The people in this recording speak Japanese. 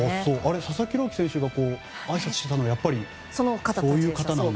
佐々木朗希選手があいさつしてたのはそういう方なんですか？